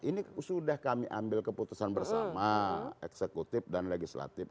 ini sudah kami ambil keputusan bersama eksekutif dan legislatif